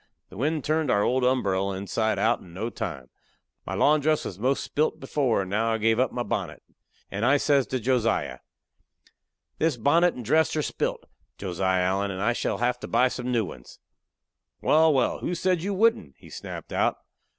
The wind turned our old umberell inside out in no time. My lawn dress was most spilte before, and now I give up my bonnet. And I says to Josiah: "This bonnet and dress are spilte, Josiah Allen, and I shall have to buy some new ones." "Wal, wal! who said you wouldn't?" he snapped out.